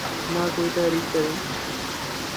نہ کوئی تحریک چلی۔